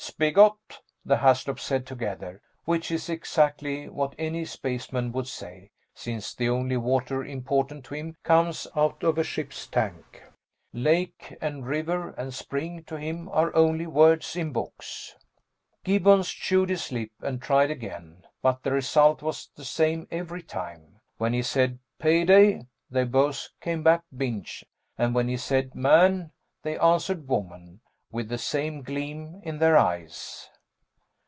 "Spigot," the Haslops said together. Which is exactly what any spaceman would say, since the only water important to him comes out of a ship's tank. "Lake" and "river" and "spring," to him, are only words in books. Gibbons chewed his lip and tried again, but the result was the same every time. When he said "payday" they both came back "binge," and when he said "man" they answered "woman!" with the same gleam in their eyes.